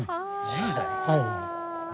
はい。